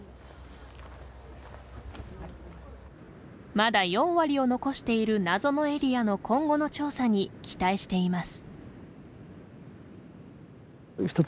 まだ４割を残している謎のエリアの今後の調査に期待しています。